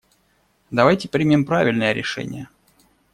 Давайте примем правильное решение.